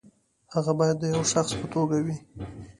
هغه باید د یوه شخص په توګه وي.